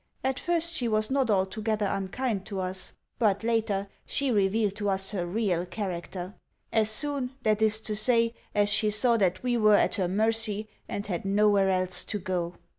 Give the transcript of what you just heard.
At first she was not altogether unkind to us but, later, she revealed to us her real character as soon, that is to say, as she saw that we were at her mercy, and had nowhere else to go.